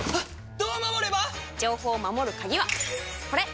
どう守れば⁉情報を守る鍵はこれ！